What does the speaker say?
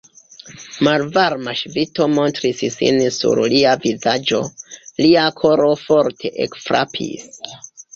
Malvarma ŝvito montris sin sur lia vizaĝo; lia koro forte ekfrapis.